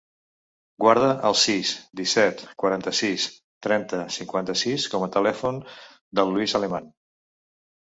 Guarda el sis, disset, quaranta-sis, trenta, cinquanta-sis com a telèfon del Luis Aleman.